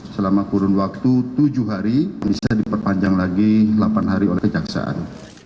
selama kurun waktu tujuh hari bisa diperpanjang lagi delapan hari oleh kejaksaan